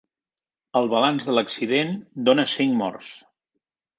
El balanç de l'accident dona cinc morts.